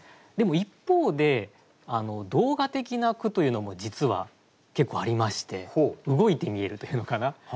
でも一方で動画的な句というのも実は結構ありまして動いて見えるというのかな。